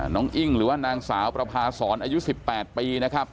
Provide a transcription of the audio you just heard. อิ้งหรือว่านางสาวประพาศรอายุ๑๘ปีนะครับ